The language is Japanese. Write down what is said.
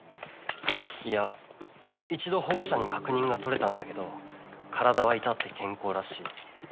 いや一度保護者に確認が取れたんだけど体は至って健康らしい。